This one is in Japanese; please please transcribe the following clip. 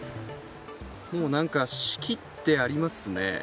もう、何か仕切ってありますね。